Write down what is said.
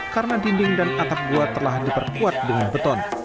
karena dinding dan atap gua telah diperkuat dengan beton